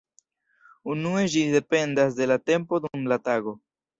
Unue ĝi dependas de la tempo dum la tago.